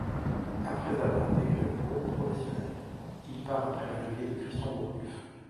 Après avoir intégré le groupe professionnel, il part après l'arrivée de Christian Gourcuff.